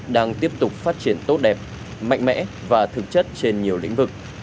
đang tiếp tục phát triển tốt đẹp mạnh mẽ và thực chất trên nhiều lĩnh vực